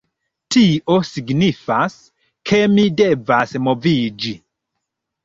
Tio signifas, ke mi devas moviĝi